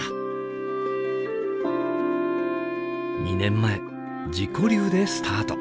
２年前自己流でスタート。